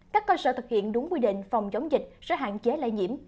các cơ sở thực hiện đúng quy định phòng chống dịch sẽ hạn chế lây nhiễm